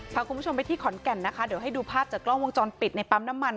พาคุณผู้ชมไปที่ขอนแก่นนะคะเดี๋ยวให้ดูภาพจากกล้องวงจรปิดในปั๊มน้ำมัน